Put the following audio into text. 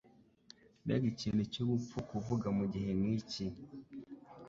Mbega ikintu cyubupfu kuvuga mugihe nkiki!